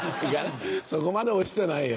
そこまで落ちてないよ。